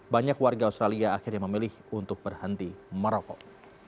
banyak warga australia akhirnya memilih untuk berhenti merokok